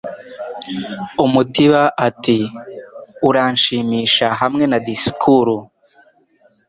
Umutiba ati Uranshimisha hamwe na disikuru